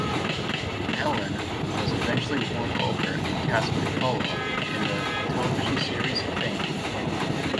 Allen was eventually won over and cast McCullough in the television series "Fame".